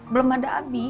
belum ada abi